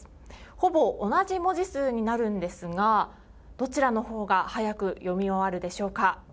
ほぼ同じ文字数になるんですがどちらのほうが速く読み終わるでしょうか。